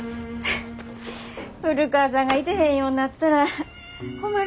古川さんがいてへんようなったら困るなぁ。